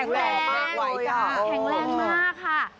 แข็งแรงมากเลยค่ะแข็งแรงมากค่ะ